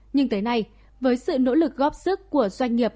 nhưng tới nay với sự nỗ lực góp sức của doanh nghiệp